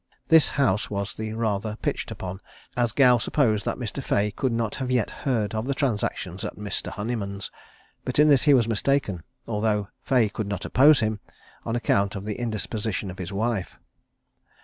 This house was the rather pitched upon, as Gow supposed that Mr. Fea could not have yet heard of the transactions at Mr. Honeyman's; but in this he was mistaken, although Fea could not oppose him, on account of the indisposition of his wife.